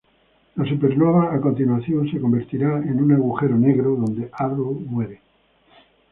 La supernova a continuación, se convirtiera en un agujero negro, donde Arrow muere.